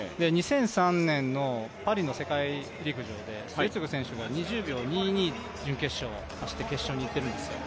２００３年のパリの世界陸上で末續選手が２０秒２２を出して決勝にいっているんですよ。